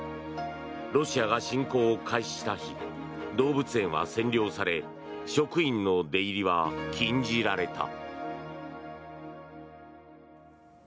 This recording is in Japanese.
ロシアが侵攻を開始した日動物園は占領され職員の出入りは禁じられた。